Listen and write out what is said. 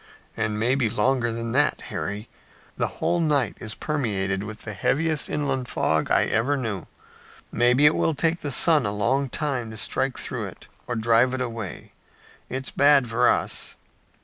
"And maybe longer than that, Harry. The whole night is permeated with the heaviest inland fog I ever knew. Maybe it will take the sun a long time to strike through it or drive it away. It's bad for us."